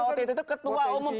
yang kena otd itu ketua umum p tiga